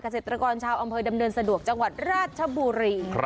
เกษตรกรชาวอำเภอดำเนินสะดวกจังหวัดราชบุรี